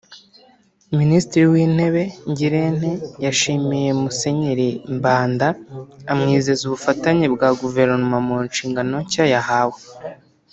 Minisitiri w’Intebe Ngirente yashimiye Musenyeri Mbanda amwizeza ubufatanye bwa Guverinoma mu nshingano nshya yahawe